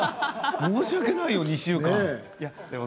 申し訳ないよ、２週間。